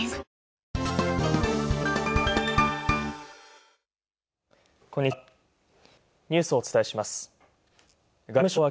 こんにちは。